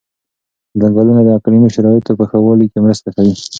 ځنګلونه د اقلیمي شرایطو په ښه والي کې مرسته کوي.